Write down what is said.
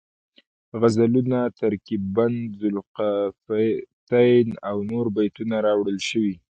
غزلونه، ترکیب بند ذوالقافیتین او نور بیتونه راوړل شوي